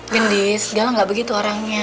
gendis galang gak begitu orangnya